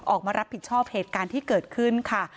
ออกมารับผิดชอบเหตุการณ์ที่เกิดขึ้นค่ะ